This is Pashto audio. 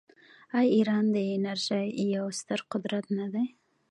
آیا ایران د انرژۍ یو ستر قدرت نه دی؟